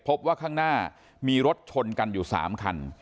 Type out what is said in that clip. พบว่าข้างหน้ามีรถชนกันอยู่๓คัน